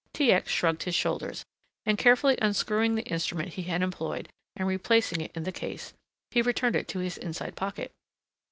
T. X. shrugged his shoulders, and carefully unscrewing the instrument he had employed and replacing it in the case, he returned it to his inside pocket.